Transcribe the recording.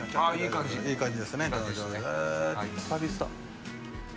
いい感じ。